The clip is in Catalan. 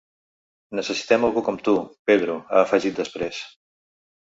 Necessitem algú com tu, Pedro, ha afegit després.